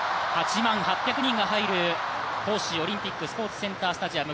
８万８００人が入る杭州オリンピックスポーツセンタースタジアム